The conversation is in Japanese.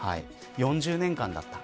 ４０年間だった。